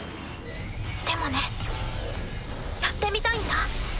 でもねやってみたいんだ。